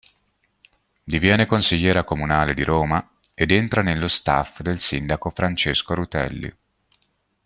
Diviene consigliera comunale di Roma ed entra nello staff del Sindaco Francesco Rutelli.